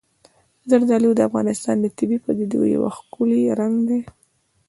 زردالو د افغانستان د طبیعي پدیدو یو ښکلی رنګ دی.